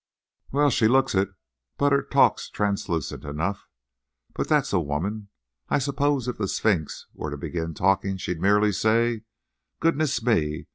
"M—well, she looks it; but her talk's translucent enough. But that's a woman. I suppose if the Sphinx were to begin talking she'd merely say: 'Goodness me!